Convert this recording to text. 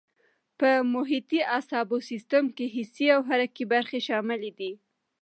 په محیطي اعصابو سیستم کې حسي او حرکي برخې شاملې دي.